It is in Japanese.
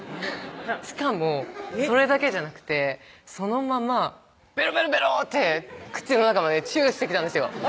しかもそれだけじゃなくてそのままベロベロベロッて口の中までチューしてきたんですよ